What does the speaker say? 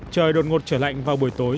trời đột ngột trở lạnh vào buổi tối